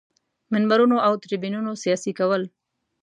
منبرونو او تریبیونونو سیاسي کول.